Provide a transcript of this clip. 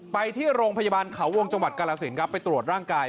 ไปที่โรงพยาบาลเขาวงจังหวัดกาลสินครับไปตรวจร่างกาย